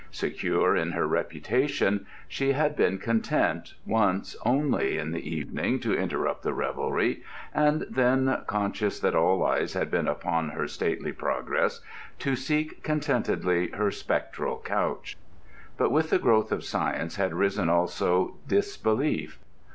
Secure in her reputation, she had been content once only in the evening to interrupt the revelry, and then, conscious that all eyes had been upon her stately progress, to seek contentedly her spectral couch. But with the growth of science had risen also disbelief.